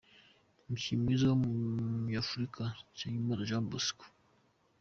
Umukinnyi mwiza w’Umunyafurika Nsengimana Jean Bosco.